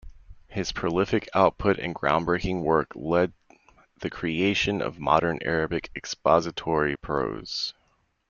His prolific output and groundbreaking work led the creation of modern Arabic expository prose.